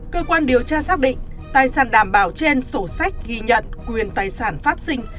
cơ quan điều tra xác định tài sản đảm bảo trên sổ sách ghi nhận quyền tài sản phát sinh